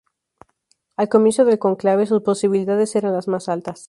Al comienzo del cónclave sus posibilidades eran las más altas.